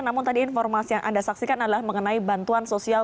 namun tadi informasi yang anda saksikan adalah mengenai bantuan sosial